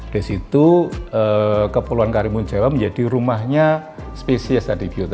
disitu kepolon karimun jawa menjadi rumahnya spesies